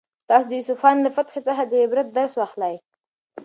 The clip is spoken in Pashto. تاسو د اصفهان له فتحې څخه د عبرت درس واخلئ.